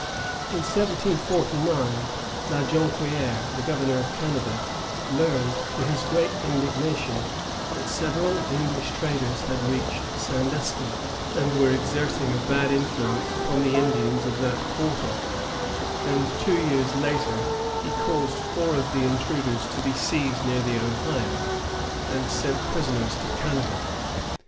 In 1749, La Jonquière, the Governor of Canada, learned, to his great indignation, that several English traders had reached Sandusky, and were exerting a bad influence upon the Indians of that quarter; and two years later, he caused four of the intruders to be seized near the Ohio, and sent prisoners to Canada.